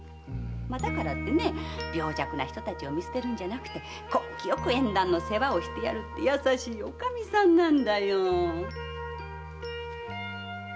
だからって病弱な人たちを見捨てるんじゃなくて根気よく縁談の世話をしてやる優しい女将さんなんだよ。